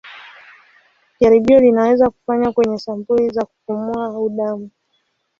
Jaribio linaweza kufanywa kwenye sampuli za kupumua au damu.